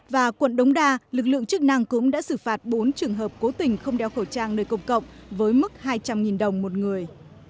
và quận đống đa lực lượng chức năng cũng đã xử phạt bốn trường hợp cố tình không đeo khẩu trang nơi công cộng với mức hai trăm linh đồng một người